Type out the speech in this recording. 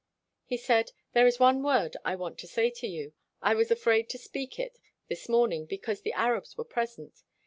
He said: " There is one word I want to say to you. I was afraid to speak it this morning because the Arabs were present.